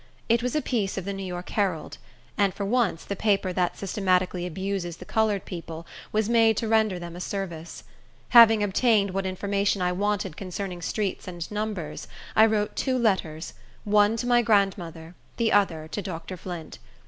It was a piece of the New York Herald; and, for once, the paper that systematically abuses the colored people, was made to render them a service. Having obtained what information I wanted concerning streets and numbers, I wrote two letters, one to my grandmother, the other to Dr. Flint.